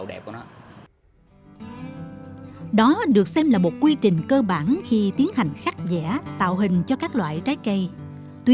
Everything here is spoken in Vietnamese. đó được xem là một quy trình cơ bản khi tiến hành khắc dẻ tạo hình cho các loại trái cây tuy